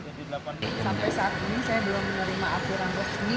sampai saat ini saya belum menerima aturan resmi